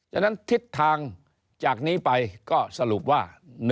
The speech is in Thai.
ฉะนั้นทิศทางจากนี้ไปก็สรุปว่า